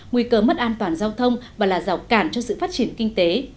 nguy cơ mất an toàn giao thông và là rào cản cho sự phát triển kinh tế